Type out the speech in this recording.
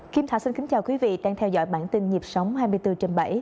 kim thạch xin kính chào quý vị đang theo dõi bản tin nhịp sống hai mươi bốn trên bảy